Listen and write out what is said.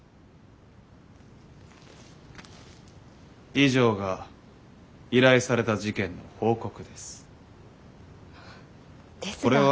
以上が依頼された事件の報告です。ですが。